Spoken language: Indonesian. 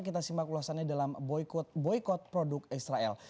kita simak ulasannya dalam boykot produk israel